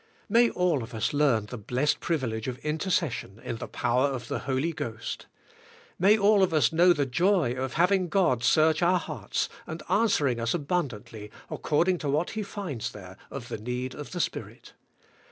May all of us learn the blessed privilege of intercession in the power of the Holy Ghost. May all o: us k:i:~ the joy of having God search our hearts and answering us abundantly ac cording to what He finds there of the need of the Spirit.